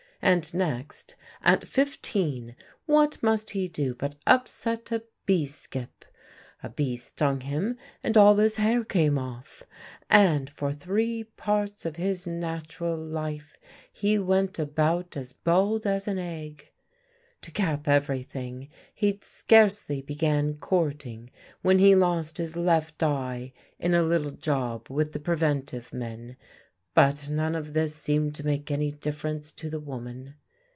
And next, at fifteen, what must he do but upset a bee skip! A bee stung him, and all his hair came off, and for three parts of his natural life be went about as bald as an egg. To cap everything, he'd scarcely began courting when he lost his left eye in a little job with the preventive men; but none of this seemed to make any difference to the woman.